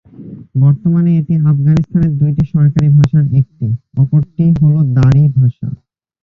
বর্তমানে এটি আফগানিস্তানের দুইটি সরকারী ভাষার একটি; অপরটি হলো দারি ভাষা।